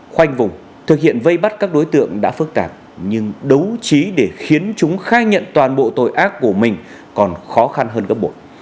khoanh vùng thực hiện vây bắt các đối tượng đã phức tạp nhưng đấu trí để khiến chúng khai nhận toàn bộ tội ác của mình còn khó khăn hơn gấp bội